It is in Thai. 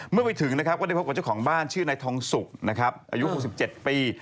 เมื่อไปถึงนะครับก็ได้พบกับเจ้าของบ้านชื่อนายทองสุกนะครับอายุ๖๗ปี